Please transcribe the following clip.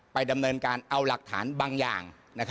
ดำเนินการเอาหลักฐานบางอย่าง